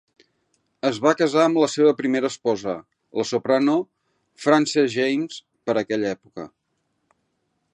Es va casar amb la seva primera esposa, la soprano Frances James, per aquella època.